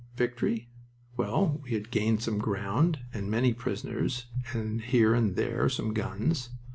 Victory? Well, we had gained some ground, and many prisoners, and here and there some guns.